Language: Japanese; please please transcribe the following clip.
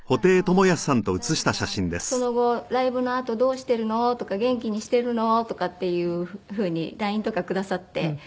「七瀬ちゃんその後ライブのあとどうしてるの？」とか「元気にしてるの？」とかっていうふうにＬＩＮＥとかくださって。